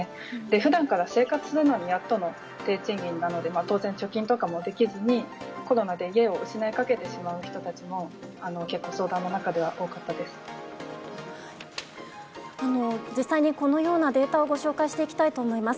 ふだんから生活するのにやっとの低賃金なので当然、貯金とかもできずに、コロナで家を失いかけてしまう人たちも、結構相談の中で実際に、このようなデータをご紹介していきたいと思います。